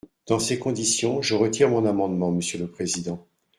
Dans ces conditions, je retire mon amendement, monsieur le président.